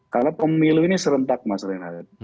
karena pemilu ini serentak mas renadet